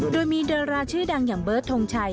โดยมีดาราชื่อดังอย่างเบิร์ดทงชัย